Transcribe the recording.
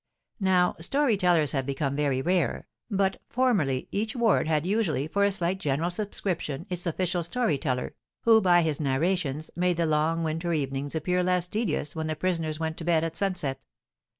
Now story tellers have become very rare, but formerly each ward had usually, for a slight general subscription, its official story teller, who, by his narrations, made the long winter evenings appear less tedious when the prisoners went to bed at sunset.